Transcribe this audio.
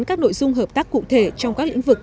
các nội dung hợp tác cụ thể trong các lĩnh vực